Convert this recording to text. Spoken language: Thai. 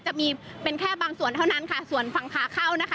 จะมีเป็นแค่บางส่วนเท่านั้นค่ะส่วนฝั่งขาเข้านะคะ